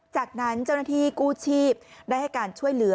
จากนั้นเจ้าหน้าที่กู้ชีพได้ให้การช่วยเหลือ